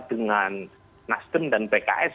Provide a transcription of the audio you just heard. dengan nasdem dan pks